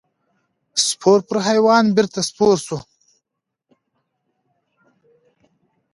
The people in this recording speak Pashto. سپور پر حیوان بېرته سپور شو.